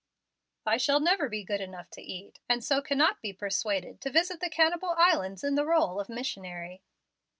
"I shall never be good enough to eat, and so cannot be persuaded to visit the Cannibal Islands in the role of missionary."